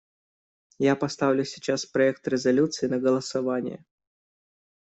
Я поставлю сейчас проект резолюции на голосование.